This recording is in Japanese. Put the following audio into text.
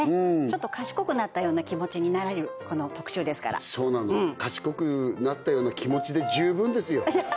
ちょっと賢くなったような気持ちになれるこの特集ですからそうなの賢くなったような気持ちで十分ですよ